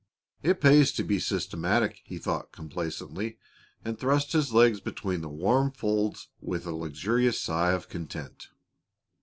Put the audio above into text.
"It pays to be systematic," he thought complacently, and thrust his legs between the warm folds with a luxurious sigh of content.